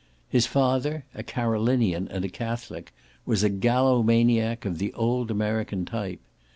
His father, a Carolinian and a Catholic, was a Gallomaniac of the old American type.